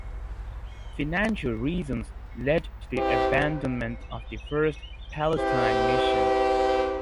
Financial reasons led to the abandonment of the first Palestine mission.